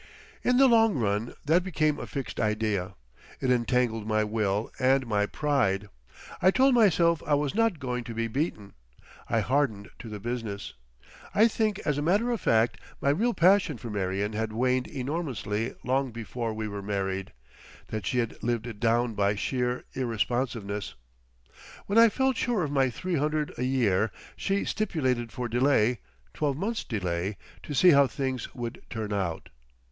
In the long run that became a fixed idea. It entangled my will and my pride; I told myself I was not going to be beaten. I hardened to the business. I think, as a matter of fact, my real passion for Marion had waned enormously long before we were married, that she had lived it down by sheer irresponsiveness. When I felt sure of my three hundred a year she stipulated for delay, twelve months' delay, "to see how things would turn out."